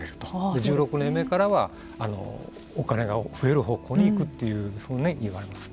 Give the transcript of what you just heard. １６年目からはお金が増える方向に行くというふうに言われます。